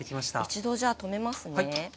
一度じゃあ止めますね。